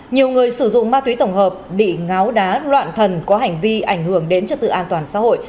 nhiều người sử dụng ma túy tổng hợp bị ngáo đá loạn thần có hành vi ảnh hưởng đến trật tự an toàn xã hội